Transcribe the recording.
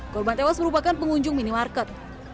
korban tewas merupakan pengunjung minimarket